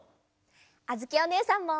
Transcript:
あづきおねえさんも。